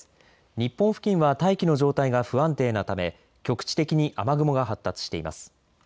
日本付近は大気の状態が不安定なため局地的に雨雲が発達しています。